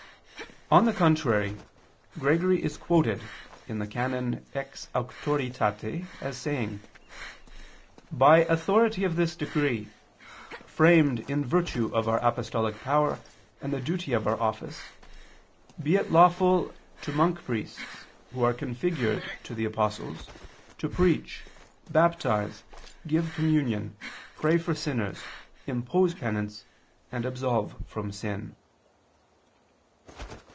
On the contrary, Gregory is quoted (XVI, qu. i, can. Ex auctoritate) as saying: "By authority of this decree framed in virtue of our apostolic power and the duty of our office, be it lawful to monk priests who are configured to the apostles, to preach, baptize, give communion, pray for sinners, impose penance, and absolve from sin."